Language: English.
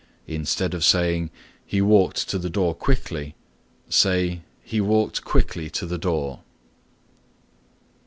Instead of saying, "He walked to the door quickly," say "He walked quickly to the door."